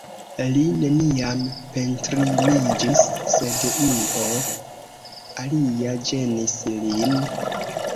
Li neniam deprimiĝis, sed io alia ĝenis lin.